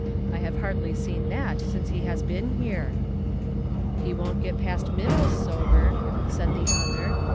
I have hardly seen that since he has been here." " He won't get past Minnow's sober," said the other.